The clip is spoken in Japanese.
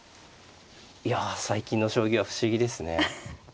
いや最近の将棋は不思議ですね。